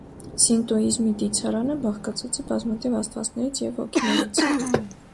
Սինտոիզմի դիցարանը բաղկացած է բազմաթիվ աստվածներից և հոգիներից։